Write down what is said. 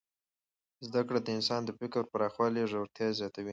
زده کړه د انسان د فکر پراخوالی او ژورتیا زیاتوي.